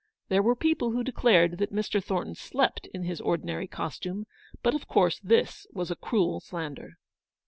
There were people who declared that Mr. Thornton slept in his ordinary costume ; but of course this was a cruel slander.